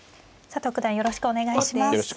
佐藤九段よろしくお願いします。